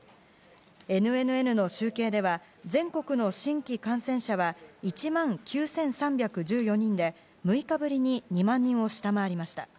ＮＮＮの集計では全国の新規感染者は１万９３１４人で、６日ぶりに２万人を下回りました。